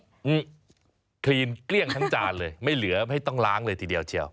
อืมคลีนเกลี้ยงทั้งจานเลยไม่เหลือไม่ต้องล้างเลยทีเดียวเชียว